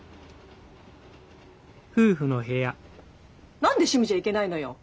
何で趣味じゃいけないのよ！